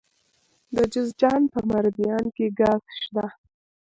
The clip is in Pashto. د جوزجان په مردیان کې ګاز شته.